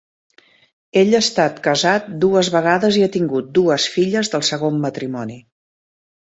Ell ha estat casat dues vegades i ha tingut dues filles del segon matrimoni.